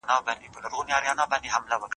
د مشتریانو رضایت د بریالیتوب شاخص دی.